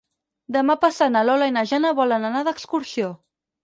Demà passat na Lola i na Jana volen anar d'excursió.